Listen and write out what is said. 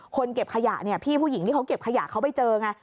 เก็บขยะเนี่ยพี่ผู้หญิงที่เขาเก็บขยะเขาไปเจอไง